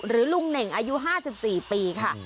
ลุงเหน่งอายุ๕๔ปีค่ะ